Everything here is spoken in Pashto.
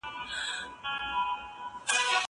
زه اجازه لرم چي پوښتنه وکړم؟